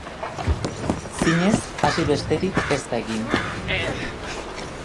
Zinez, hasi besterik ez da egin.